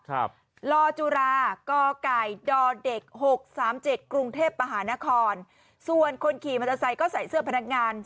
ลอจุรากอไก่ดเด็กหกสามเจ็ดกรุงเทพมหานครส่วนคนขี่มอเตอร์ไซค์ก็ใส่เสื้อพนักงาน